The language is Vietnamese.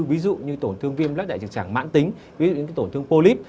ví dụ như tổn thương viêm lớp đại trực tràng mãn tính ví dụ như tổn thương polyp